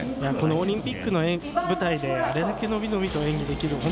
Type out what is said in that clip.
このオリンピックの舞台であれだけ伸び伸びと演技できる。